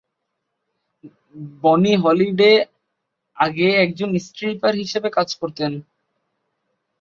বনি হলিডে আগে একজন স্ট্রিপার হিসেবে কাজ করতেন।